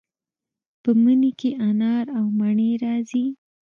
په مني کې انار او مڼې راځي.